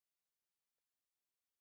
اوړي د افغانانو د تفریح یوه وسیله ده.